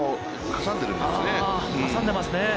挟んでますね。